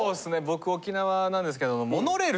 僕沖縄なんですけど。